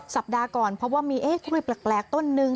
สัปดาห์ก่อนเพราะว่ามีกล้วยแปลกต้นหนึ่ง